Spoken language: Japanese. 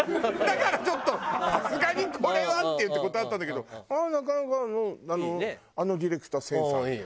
だからちょっと「さすがにこれは」って言って断ったんだけどあれはなかなかあのディレクターセンスある。